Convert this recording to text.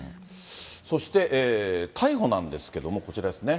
そして逮捕なんですけども、こちらですね。